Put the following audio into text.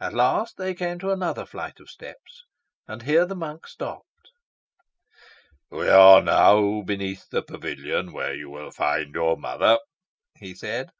At last they came to another flight of steps, and here the monk stopped. "We are now beneath the pavilion, where you will find your mother," he said.